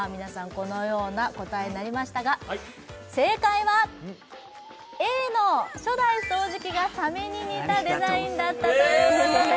このような答えになりましたが正解はＡの初代掃除機がサメに似たデザインだったということです